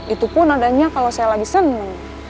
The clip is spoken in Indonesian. itu pun adanya kalau saya lagi seneng